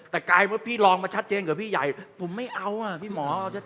แต่กลายว่าพี่ลองมาชัดเจนกับพี่ใหญ่ผมไม่เอาอ่ะพี่หมอ